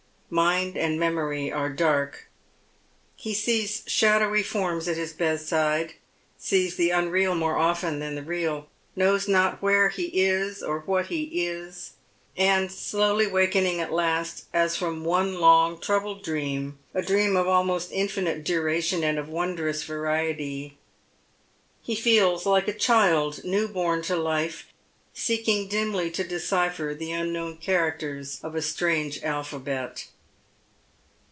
Mind and memory are dark. He sees shadowy forms at his bedside,— sees the unreal more often than the real, knows not where he is or what he is, and slowly awakening at last, as from one long troubled dream — a dream of almost infinite duration and^ of wondrous variety — he feels like a child newborn to life, seeking dimly to decipher the unknown characters of a strange alphabet.